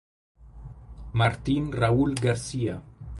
Martín Raúl García